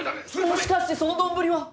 もしかしてその丼は！